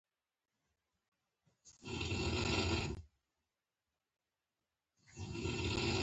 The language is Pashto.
سهار کی قران کریم لوستل به مو ټوله ورځ روښانه ولري